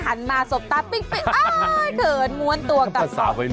หนูไปเรียกให้ถังวาดสบตาปิ๊บ